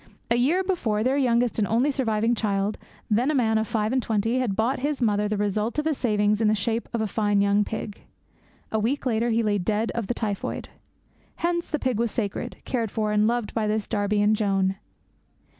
A year before, their youngest and only surviving child, then a man of five and twenty, had brought his mother the result of his savings in the shape of a fine young pig. A week later he lay dead of the typhoid. Hence the pig was sacred, cared for, and loved by this Darby and Joan.